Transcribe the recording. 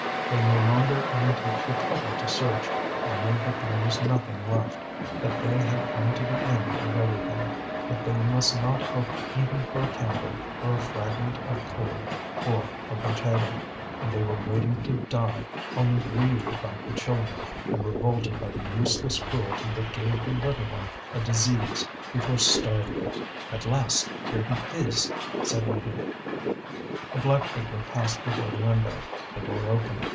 They no longer even took the trouble to search, they knew that there was nothing left, that they had come to the end of everything, that they must not hope even for a candle, or a fragment of coal, or a potato, and they were waiting to die, only grieved about the children, and revolted by the useless cruelty that gave the little one a disease before starving it. "At last! here he is!" said Maheude. A black figure passed before the window. The door opened.